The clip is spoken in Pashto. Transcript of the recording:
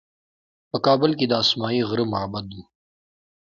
په کابل کې د اسمايي غره معبد و